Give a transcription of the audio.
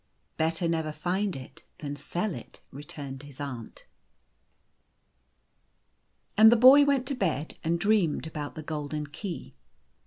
" Better never find it than sell it," returned his aunt. And then the boy went to bed and dreamed about the golden key.